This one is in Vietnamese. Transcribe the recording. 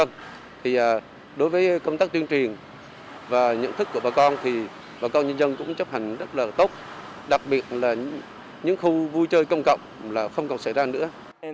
thì đối với công tác tuyên truyền và nhận thức của bà con thì bà con nhân dân cũng chấp hành rất là tốt đặc biệt là những khu vui chơi công cộng là không còn xảy ra nữa